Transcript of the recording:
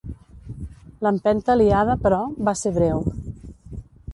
L'empenta aliada, però, va ser breu.